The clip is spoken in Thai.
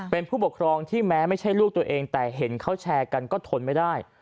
เป็นผู้ปกครองที่แม้ไม่ใช่ลูกตัวเองแต่เห็นเขาแชร์กันก็ทนไม่ได้